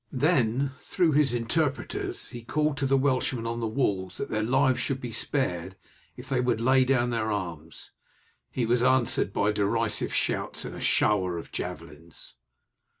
Then, through his interpreters, he called to the Welshmen on the walls that their lives should be spared if they would lay down their arms. He was answered by derisive shouts and a shower of javelins.